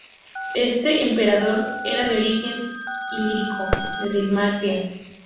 Este emperador era de origen ilirio, de Dalmacia.